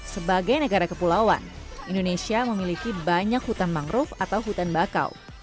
sebagai negara kepulauan indonesia memiliki banyak hutan mangrove atau hutan bakau